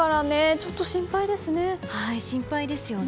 ちょっと心配ですね。